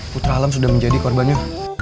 putra alam sudah menjadi korbannya